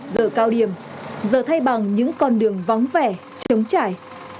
giờ cao điểm giờ thay bằng những con đường vóng vẻ chống chảy